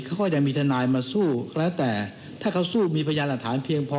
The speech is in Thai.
เขาก็จะมีทนายมาสู้ก็แล้วแต่ถ้าเขาสู้มีพยานหลักฐานเพียงพอ